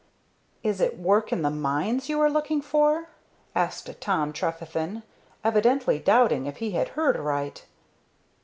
"Is it work in the mines you are looking for?" asked Tom Trefethen, evidently doubting if he had heard aright.